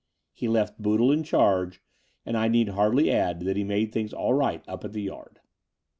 He left Boodle in charge; and I need hardly add that he made things all right up at the Yard.